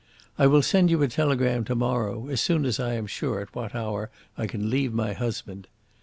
I will send you a telegram to morrow, as soon as I am sure at what hour I can leave my husband.